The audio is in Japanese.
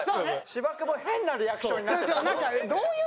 芝君も変なリアクションになってたよ。